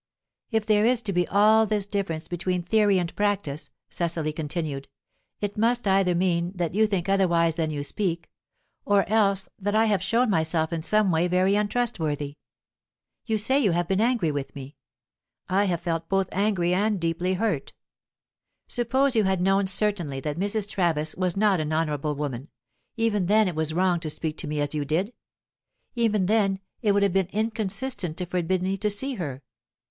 "If there is to be all this difference between theory and practice," Cecily continued, "it must either mean that you think otherwise than you speak, or else that I have shown myself in some way very untrustworthy. You say you have been angry with me; I have felt both angry and deeply hurt. Suppose you had known certainly that Mrs. Travis was not an honourable woman, even then it was wrong to speak to me as you did. Even then it would have been inconsistent to forbid me to see her.